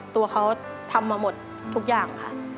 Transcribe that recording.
ตัวเขาทำมาหมดทุกอย่างค่ะ